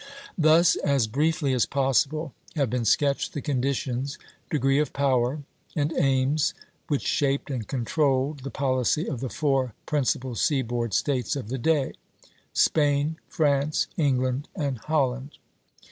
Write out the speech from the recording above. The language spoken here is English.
Thus as briefly as possible have been sketched the conditions, degree of power, and aims which shaped and controlled the policy of the four principal seaboard States of the day, Spain, France, England, and Holland.